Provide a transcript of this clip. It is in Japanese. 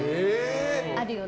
あるよね。